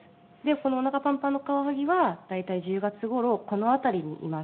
このおなかパンパンのカワハギは大体１０月頃この辺りにいますとか。